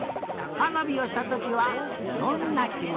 はなびをしたときは「どんな」きもちだった？